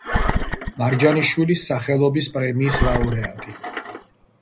მარჯანიშვილის სახელობის პრემიის ლაურეატი.